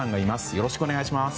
よろしくお願いします。